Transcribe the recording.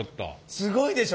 すごいでしょ？